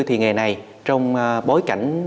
thì nghề này trong bối cảnh